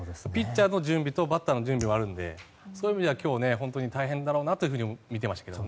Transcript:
ピッチャーの準備とバッターの準備がありますのでそういう意味では大変だろうなと見ていました。